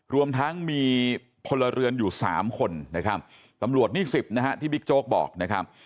รวมทั้งมีพลเรือนอยู่๓คนนะครับตำรวจนี่๑๐นะฮะที่บิ๊กโจ๊กบอกนะครับ